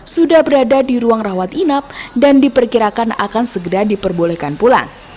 sudah berada di ruang rawat inap dan diperkirakan akan segera diperbolehkan pulang